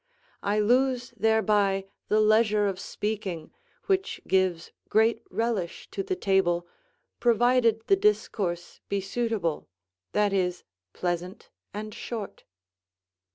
I lose thereby the leisure of speaking, which gives great relish to the table, provided the discourse be suitable, that is, pleasant and short.